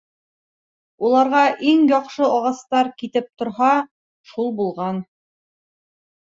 Уларға иң яҡшы ағастар китеп торһа, шул булған.